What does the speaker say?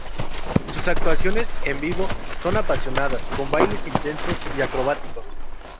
Sus actuaciones en vivo son apasionadas, con bailes intensos y acrobáticos.